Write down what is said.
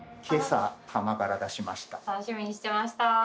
けさ、窯から出しました。